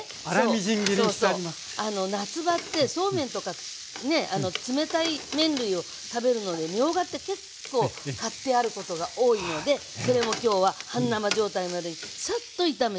夏場ってそうめんとかね冷たい麺類を食べるのにみょうがって結構買ってあることが多いのでそれも今日は半生状態までサッと炒めてます。